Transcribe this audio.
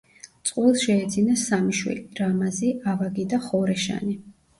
წყვილს შეეძინა სამი შვილი: რამაზი, ავაგი და ხორეშანი.